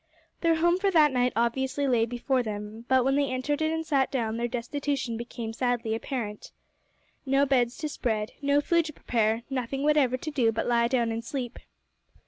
Their home for that night obviously lay before them, but when they entered it and sat down, their destitution became sadly apparent. No beds to spread, no food to prepare, nothing whatever to do but lie down and sleep.